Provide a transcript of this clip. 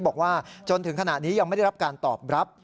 บอกว่าจนถึงขณะนี้ยังไม่ได้รับการตอบรับ